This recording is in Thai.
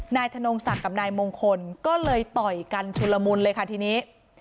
นายธนงศักดิ์กับนายมงคลก็เลยต่อยกันชุลมุนเลยค่ะทีนี้